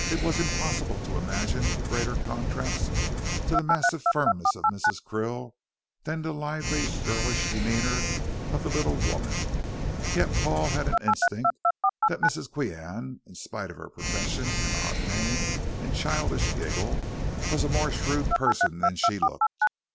It was impossible to imagine a greater contrast to the massive firmness of Mrs. Krill than the lively, girlish demeanor of the little woman, yet Paul had an instinct that Miss Qian, in spite of her profession and odd name and childish giggle, was a more shrewd person than she looked.